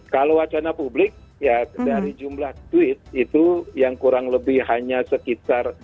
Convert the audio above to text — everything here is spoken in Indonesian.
kalau wacana publik ya dari jumlah tweet itu yang kurang lebih hanya sekitar